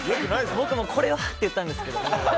僕も、これはって言ったんですけど。